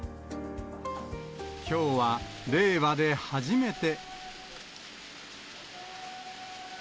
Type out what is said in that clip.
きょうは令和で初めて。